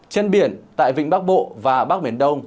trên biển tại vịnh bắc bộ và bắc biển đông